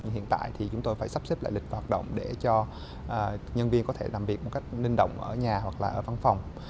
hiện tại thì chúng tôi phải sắp xếp lại lịch hoạt động để cho nhân viên có thể làm việc một cách ninh động ở nhà hoặc là ở văn phòng